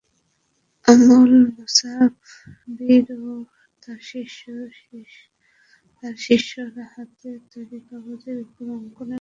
আলম মুসাববীর ও তাঁর শিষ্যরা হাতে-তৈরি কাগজের উপর অঙ্কনের কাজ করেন।